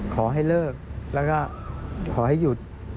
ขอให้เลิกแล้วก็ขอให้หยุด